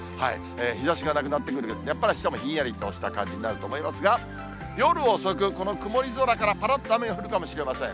日ざしがなくなってくる、やっぱり、しかもひんやりとした感じになると思いますが、夜遅く、この曇り空からぱらっと雨が降るかもしれません。